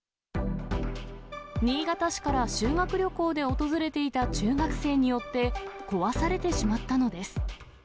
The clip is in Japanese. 新潟市から修学旅行で訪れていた中学生によって壊されてしまったのです。